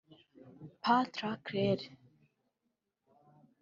pas très claire »